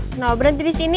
kenapa berhenti di sini